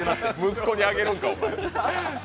息子にあげるんか、お前。